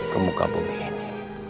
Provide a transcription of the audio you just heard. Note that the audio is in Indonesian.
kemuka bumi ini